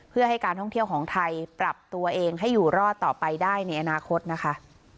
เพื่อให้การท่องเที่ยวของไทยปรับตัวเองให้อยู่รอดต่อไปได้ในอนาคตนะคะ